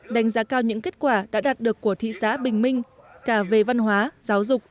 đánh giá cao những kết quả đã đạt được của thị xã bình minh cả về văn hóa giáo dục